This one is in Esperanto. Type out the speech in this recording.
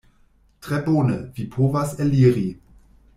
Tre bone: vi povas eliri.